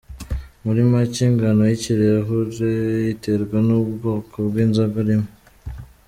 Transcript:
muri make ingano y’ikirahure iterwa n’ubwoko bw’inzoga irimo.